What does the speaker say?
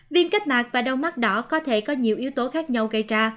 viêm kết mạc và đau mắt đỏ có thể có nhiều yếu tố khác nhau gây ra